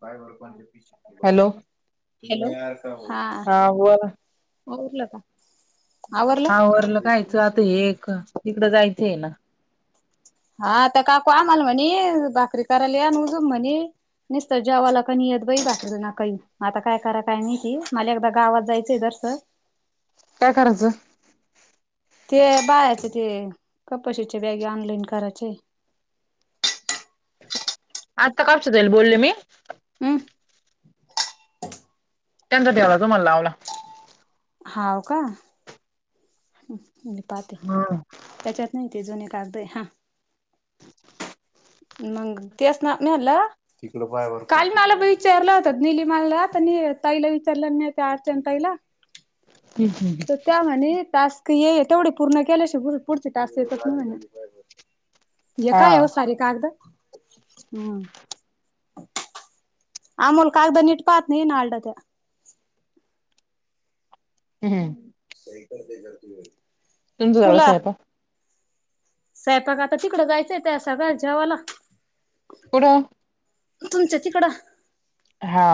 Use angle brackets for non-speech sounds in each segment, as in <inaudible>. पाय वरण पशी ठत हॅलो होते हॅलो हां. आवर बघीतलं का? आवरलं कायचं आता हे, तिकडं जायचं आहे ना. हाता काकू आम्हाला म्हणे, भाकरी कायलान उजम म्हणे निसत जेवाला कण येत बई बाटरलं ना काही, आता काय करा काय माहीती, मला एकदा गावात जायचंय जरसं. काय कराचं? ते बाळायचे ते कपशीचे वॅगे ऑनलाईन करायचे. आता का जाईल बोलले मी हम्म. त्यांचा ठेवला तुम्हाला लावला. हाव का. ह पात हा. त्याच्यात नाही ते जुने कागदय, हां. मंग तेच ना, मी मनलं त कालमाला ब विचारलं होतं निलीमाला, तर ताईला विचारलं नाही त्या अरचन ताईला तर त्या म्हणे टास्क येईल, तेवढे पूर्ण केल्या श ग पुढचे टास्क येतस नाही, म्हणजे य हा काय अव सारे का कागदं? हम्म आमोल कागदा निट पाहत नाही ना हड त्या हम्म्म हम्म. सहकल ते जती वई तुमचा झाला स्वयंपाक? सायपाक आता तिकडं जाायचंय त्या सळं जेवाला. कुठं? तुमच्या तिकडं. हा.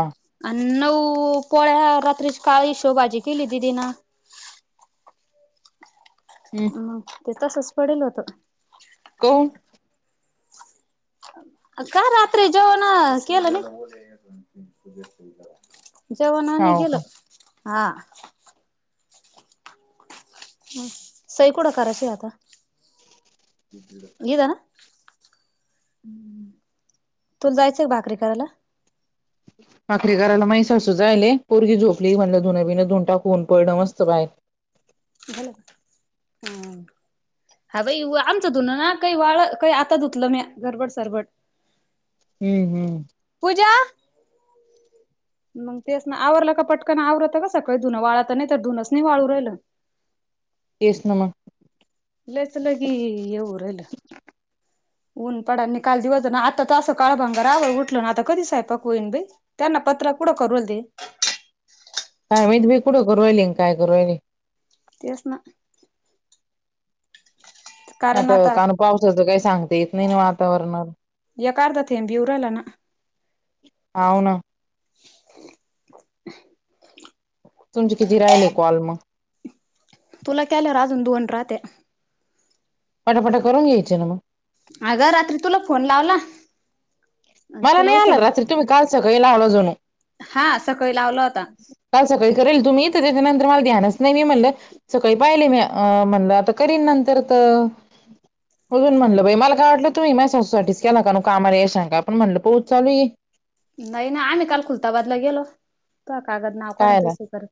आणि नऊ पोळ्या, रात्रीची काळी शेव भाजी किली दीदीनं. हम्म. हम ते तसच पडेल होत. कोण? का रात्री जेवण केलं नाही? जेवणा आणि हाव गेलं का हा. ह सही कुठं करायची आता. दिल ना तुला जायचंय का भाकरी खायला? भाकरी कराला माही सासू जायले पोरगी झोपली म्हणलं धुन बिनं धुण टाकू ऊन पडलं मस्त बाहेर. झालं का? हम हा बाई आमचं धुन ना काही वाळ काही आता धुतलं म्या घरबट सरबट. हम्म हम्म पुजा मग तेच ना आवरलं का पटकन आवरत ग का सकाळी धुनं वाळत नाही तर धुनच नाही वाळू राहिलं. तेच ना मग लईच लगी हे होऊन राहील. ऊन पडानी काल दिवसजण आता असं काळभंगरा आवं उठल ना आता कधी स्वयंपाक होईन बाई. त्यांना पत्र कुठं करूल दे. काय माहित बाई कुड करून राहिली आणि काय करून राहिली. तेच ना आता काण पावसाचं काही सांगता येत नाही ना वातावरणा एका अर्धा थेंब बि येऊ राहिला ना. हाव ना तुमचे किती राहिले कॉल मग? तुला केल्यावर अजून दोन राहाते. पटा पटा करून घ्यायचे ना मग. अगं रात्री तुला फोन लावला. मला तुला नाही आला उचल रात्री तुम्ही काल सकाळी लावला जणू हा सकाळी लावला होता. काल सकाळी करेल तुम्ही तर त्याच्यानंतर मला ध्यानच नाही. मी म्हणलं सकाळी पाहिल्या म्या अ म्हणलं आता करीन नंतर तर अजून म्हटलं बाई मला काय वाटलं तुम्ही माझ्या सासू साठीचं केला का अनु कामाला हे सांगा पण म्हणलं पाऊस चालु ये. नाही ना आम्ही काल खुलताबादला गेलो तो कागद नाव काय काढून तू आला <unintelligible> करत.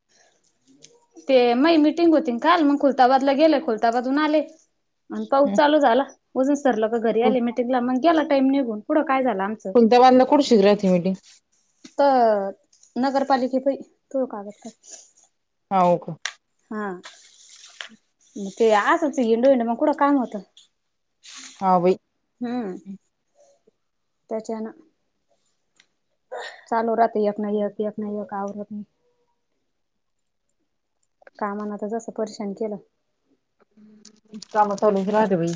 ते मायी मीटिंग होती काल मग खुलताबादला गेले खुलताबादहून आले आणि पाऊस हं. चालू झाला वजून सरलं का घरी फुल- आली मीटेंगला मग गेला टाइम निघून पुढं काय झालं आमच <unintelligible> कुठं शी राहती मिटिंग? तर नगरपालिके पाही <unintelligible> हाव का? हा मग ते असचं हिंडून हिंडून कुठं काम होत. हाव बाई हम्म त्याच्यान चालु राते एक ना एक एक ना एक आवरत नाही. कामाना तर जसं परेशान केलं. काम चालूच राहतात बाई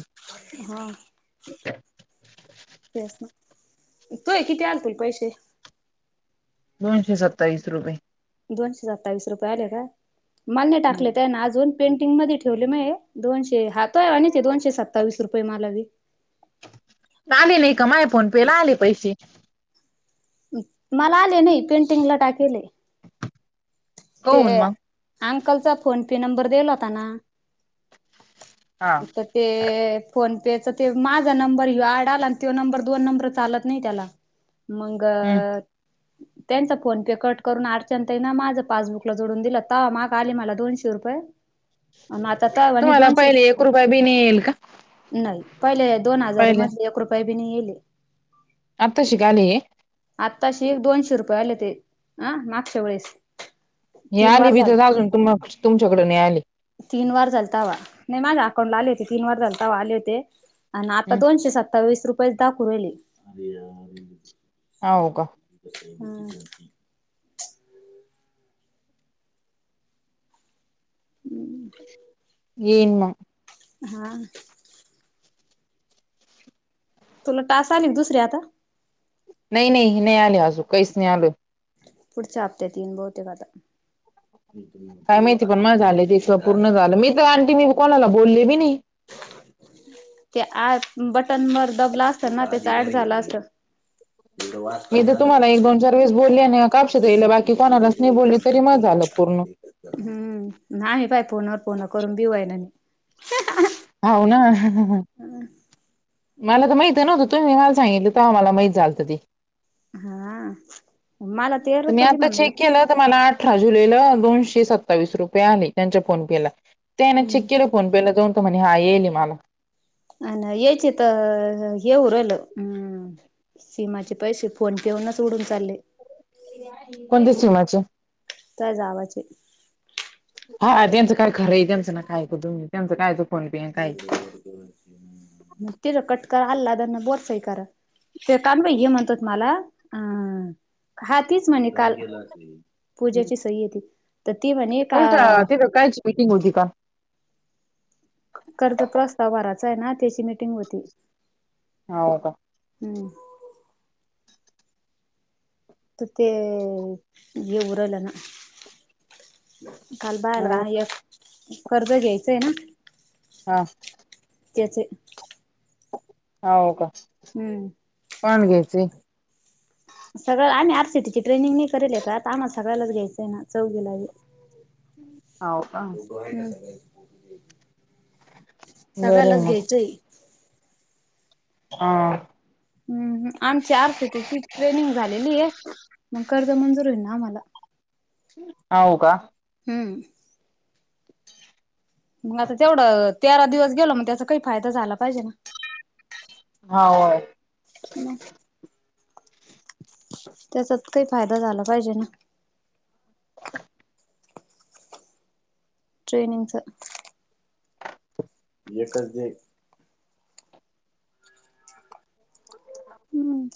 हा तेच ना तोय किती आलतील पैसे? दोनशे सत्तावीस रुपये. दोनशे सत्तावीस रुपये आले का मालने टाकलेत आहे ना अजून. पेंटिंग मध्ये ठेवले म दोनशे हातो आहे आणि ते दोनशे सत्तावीस रुपये मलावी. आले नाही का? माय फोन पे ला आले पैसे. मला आले नाही पेंटिंगला टाकले. ते कहून मग अंकलचा फोन पे नंबर दिला होता ना. हा तर ते फोन पेचा ते माझा नंबर हि आड आला आणि तो नंबर दोन नंबर चालत नाही त्याला मग त्यांचा फोन पे कट करून अडचण ना माझ पासबुकला जोडून दिला त माग आली मला दोनशे रुपये आता तर आणि तुम्हाला दोनशे पहिले एक रुपया बी नाही येईल का नाही पहिले दोन हजार पहिले मधले एक रुपय बी नाही येले आत्ता शिकाली आत्ता अशी दोनशे रुपये आली त अं मागशे वेळेस हे तीन आली वार झाल. भीथर जाऊून त तुमच्याकड नाही आली तीन वार झालं तावा नाही माझा अकवंड आले होते तीन वार चालतावा आले होते आणि आता हम्म. दोनशे सत्तावीस रुपयेच दाखवून राले हाव का? हम्म हम्म ये मा.. हा तुला टास आली एक दुसर्या आता नाही नाही नाही आले आजू पैसे नाही आलो पुढच्या हप्त्यात येईन बहुतेक आता <inaudible> काय माहिती पण माझ झाले ते शिवा पूर्ण झालं मी तर आंटी मी कोणाला बोलले बी नाही ते आ बटनवरर दबलं असत ना त्याच ऍट झाला असतं एवढं वात मी पाणी तर आलं का तुम्हाला एक दोन चार वेळेस बोलले आणि तुलाथ कापशात येईल बाकी कोणालाच नाही बोलले तरी मग लक झालं पूर्ण सांग हम्म नाही बाय फोनवर फोन करून बी होई नाही आहे ना नाही होव ना.. मला तर माहित आहे नव्हतं तुही मला सांगितलं मला माहित झालं ती हा.. मला तेरा मी रुपयाला आता म्हणाला चेक केलं तर मला आठ अठरा जुला दोनशे सत्तावीस रुपये आले त्यांच्या फोन पे ला त्या चेक हम्म के फोन पे ला जाऊन तो म्हणे हा येईल मला अ ना येची तर हे उरल हम् सीमाचे पैसे फोन पे वरुनच उडून चालले कोणत्या बंदच ठेवायचे आता जावाचे हा त्यांचं का खरंय त्यांचं नका ऐकू तुम्ही त्यांचं काय त्याचं काय ऐकू फोन पे काय <inaudible> ते कानुबाई हे म्हणतात मला अं हा तीच म्हणे काल पूजाची सई आहे ती त ती म्हणे का मीटिंग होती का कर्ज प्रस्ताव भरायचा आहे ना त्याची मीटिंग होती. हाव का हम्म त ते येऊ राहील ना काल बायाला <unintelligible> कर्ज घ्यायचंय ना. हा त्याचे हाव का हम्म कोणाला घ्यायचं आहे? सगळं आम्ही आर सी टीची ट्रेनिंग नाही करेलय का त आम्हाला सगळ्याच घ्यायचं ना चौघीला बी. <inaudible> हाव का बरं आहे सगळ्यालाच मग घ्यायचंय. आ हम्म आमची आर सी टीची ट्रेनिंग झालेली आहे, मग कर्ज मंजूर होईल ना आम्हाला. हाव का हम्म मग आता तेवढं तेरा दिवस गेल मग त्याचा काही फायदा झाला पाहिजे ना. हाव हाव म त्याचात काही फायदा झाला पाहिजे ना. <inaudible> ट्रेनिंगच एकच दे हम्म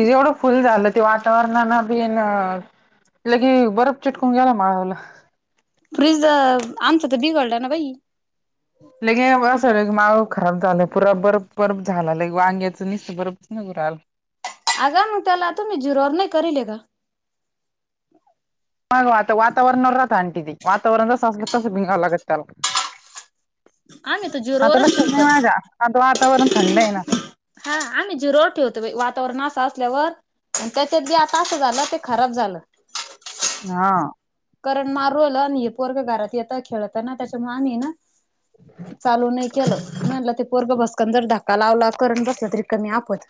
एवढं फुल झालं. ते वातावरणान बिन लगे बरफ चिटकून गेला माळवला. फ्रिज आमचं तर बिघडलं न बाई लगे असं लगे माग खराब झाल पुर बरफ बरफ झाला लगे वांग्याचं निसत बर्फच निघू राहिला. अग मग त्याला तुम्ही झिरोवर नाही करेल का? मंग वाता वातावरणावर राहतं आंटी ते वातावरण जसं असलं तसं <unintelligible> लागतं त्याला. आम्ही तर आता झिरोवरच लक्षच नाही शिकतो. माझ्या आता वातावरण थंड आहे ना. हा आम्ही झिरोवर ठेवतो बाई वातावरण असं असल्यावर अन त्याच्यात बी आता असं झालं ते खराब झालं. हा करंट मारू राहिलं आणि हे पोरग घरात येत खेळत न त्याच्यामुळ आम्ही हेन चालू नाही केलं म्या म्हटलं ते भास्कर जर धक्का लावला करंट बसला तरी कमी आफट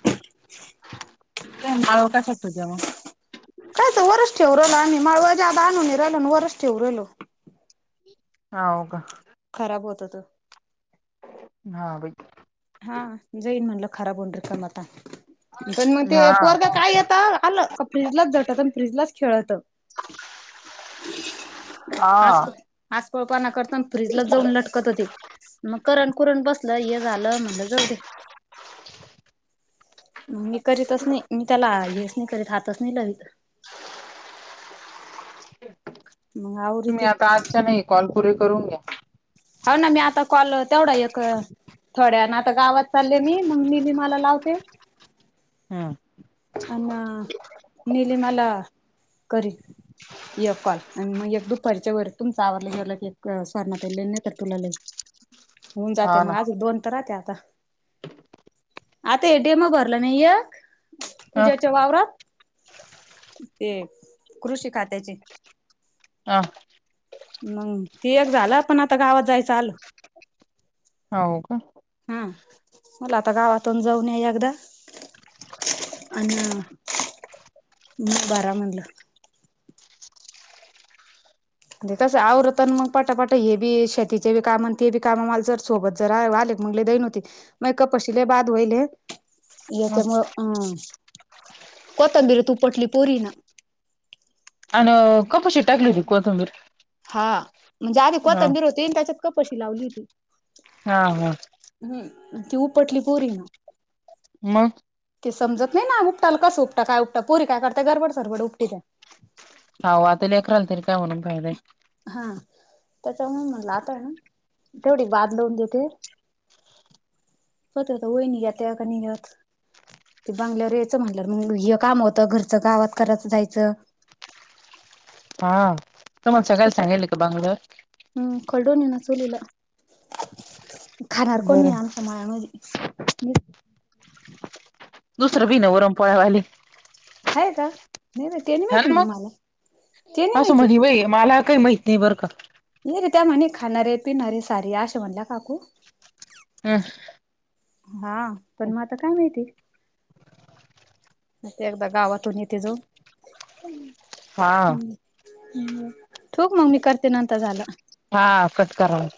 माळव काय शकतो तेव्हा काय ते वरच ठेऊ राहिलो आम्ही माळवजा आत आणू नाही राहिलो अन वरच ठेवू राहिलो. हाव का खराब होत त हा बाई हा, जाईन म्हणलं खराब होऊन र काम अता. पण मग हा ते पोरग काय येत आलं, फ्रीजलाच झटत फ्रीजलाच खेळत. आज, हा आज पळपा ना करता फ्रीजला जाऊन लट करत ते, मग करंट-कुरंट बसल हे झाल <unintelligible> मी करीतच नाही, मी त्याला हेच नाही करीत हातच नाही लवीत. मग तुम्ही आवरीते आता आजच्या नाही, कॉलपुरे करून घ्या. हाव ना मी आता कॉल तेवढं एक थोड्याना आता गावात चालले मी, मग निलीमाला लावते. हा. अन, निलिमाला करी. एक कॉल, आणि मग एक दुपारच्या वर तुमचा आवरला-बिवरलं की एक सुवर्णा ताई लावि, नाही तर तुला लावीन. होऊन जाते, हा मग ना आज दोन तर राहते आता. आता हे डेम भरलं नाही हे, ह पूज्याच्या वावरात? ते कृषी खात्याचे. हा. मंग, ती एक झालं पण आता गावात जायचं आल. <unintelligible> हो का. हा, मला आता गावातून जाऊन या एकदा. अन म भरा म्हणलं. ते तसं आवरत मग पटापट हे बी शेतीचे बी काम आणि ते बी काम मला जर सोबत जरा आले म्हणले दैन होती मग कपशीले बाध वहिले याच्यामुळे अं कोथंबीरीच उपटली पोरीन अन कपशी टाकली होती कोथंबीर हा म्हणजे आधी ह कोथंबीर होती अन त्याच्यात कपशी लावली होती हा हा हम् ती उपटली पोरीनं मग ते समजत नाही ना उपटाला कस उपटा काय उपटा पुरी काय करता गरबड सरबड उपटीत्या हा ओ आता लेकराला तरी काय बोलून फायदा हाय हा त्याच्यामुळे म्हणलं आता हाय ना थोडी बांधून देते स्वतः क वाहिनी त्या आणि ह्यात ते बंगल्यावर यायचं म्हणल्यावर मग हे काम होतं घरचं गावात करायचं जायचं हा तुमाला सगळ्यांना त्याच्या सांगितले काय बंगल्यावर? हम्म <unintelligible> ना चूलीला खाणार कोण नाही बरं आम् <unintelligible> दुसरं भी न वरण पोळ्यावाले हय का नाही नाही ते ह माहिती ना मग मला ते नाही असं माहिती म्हणी बाई मला काही माहित नाही बरं का ये रे त्या म्हणे खाणारे पिणारे सारे असे म्हणल्या काकू अं हा पण मग आता काय माहिती? ते एकदा गावातून येते जाऊन हा हम् ठूउ का मग मी करते नंतर झालं. हा कट कराव.